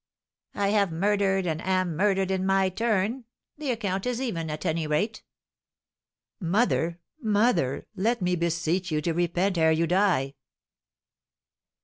"I have murdered, and am murdered in my turn, the account is even, at any rate." "Mother, mother, let me beseech you to repent ere you die!"